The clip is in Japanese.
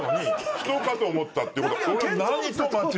人かと思ったっていうことは。